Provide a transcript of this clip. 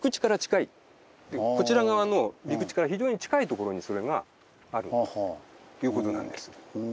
こちら側の陸地から非常に近いところにそれがあるということなんです。